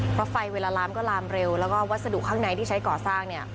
เพราะไฟเวลาลามก็ลามเร็วแล้วก็วัสดุข้างในที่ใช้ก่อสร้างเนี่ย